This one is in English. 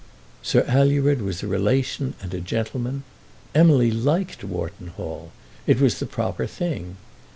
Sir Alured was a relation and a gentleman. Emily liked Wharton Hall. It was the proper thing.